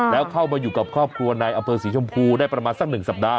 แล้วเข้ามาอยู่กับครอบครัวในอำเภอศรีชมพูได้ประมาณสัก๑สัปดาห